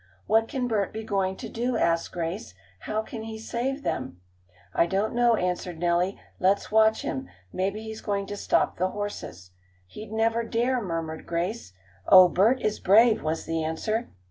"What can Bert be going to do?" asked Grace. "How can he save them?" "I don't know," answered Nellie. "Let's watch him. Maybe he's going to stop the horses." "He'd never dare!" murmured Grace. "Oh, Bert is brave," was the answer.